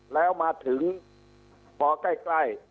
แล้วมาถึงที่ขอกล้าย